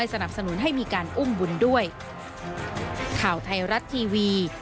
สวัสดีครับ